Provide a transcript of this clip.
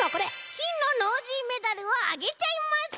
きんのノージーメダルをあげちゃいます！